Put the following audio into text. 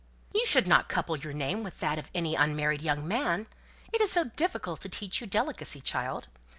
"You should not couple your name with that of any unmarried young man; it is so difficult to teach you delicacy, child.